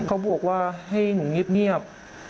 เขาบอกว่าให้หนูเงียบ